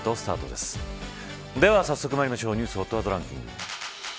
では早速まいりましょうニュースＨＯＴワードランキング。